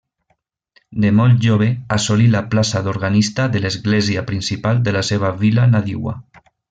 De molt jove assolí la plaça d'organista de l'església principal de la seva vila nadiua.